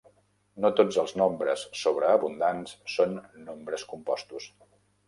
No tots els nombres sobreabundants són nombres compostos.